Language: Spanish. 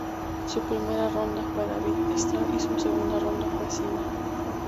Su primera ronda fue David Starr y su segunda ronda fue Cima.